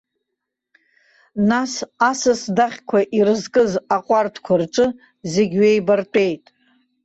Нас асасцәадахьқәа ирызкыз аҟәардәқәа рҿы зегь ҩеибартәеит.